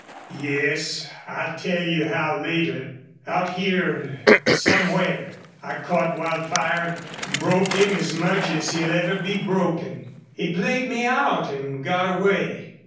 "Yes. I'll tell you how later.... Out here somewhere I caught Wildfire, broke him as much as he'll ever be broken. He played me out an' got away.